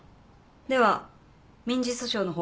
では民事訴訟の方向で。